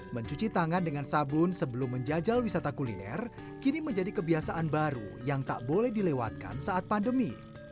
mencuci tangan dengan sabun sebelum menjajal wisata kuliner kini menjadi kebiasaan baru yang tak boleh dilewatkan saat pandemi